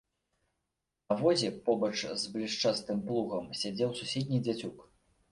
На возе, побач з блішчастым плугам сядзеў суседні дзяцюк.